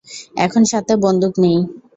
এখন সাথে বন্দুক নেই।